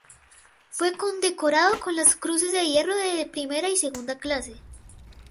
Fue condecorado con las cruces de Hierro de primera y segunda clase.